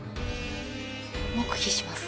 黙秘します。